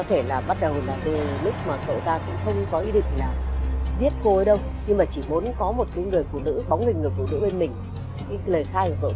thật ra là đó mình cũng rất là quan niên đánh giấc